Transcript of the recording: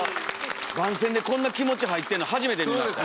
番宣でこんな気持ち入ってるの初めて見ました。